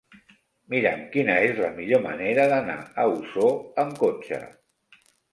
Mira'm quina és la millor manera d'anar a Osor amb cotxe.